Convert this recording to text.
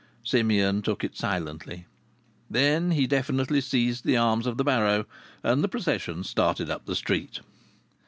Simeon took it silently. Then he definitely seized the arms of the barrow, and the procession started up the street.